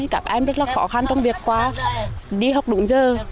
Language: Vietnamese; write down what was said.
các em rất là khó khăn trong việc đi học đúng giờ